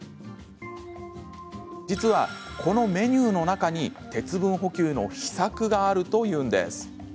実は、このメニューの中に鉄分補給の秘策があるというんです。